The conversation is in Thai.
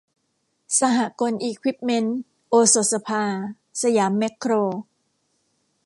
สหกลอิควิปเมนท์ โอสถสภา สยามแม็คโคร